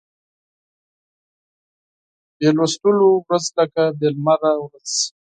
بې لوستلو ورځ لکه بې لمره ورځ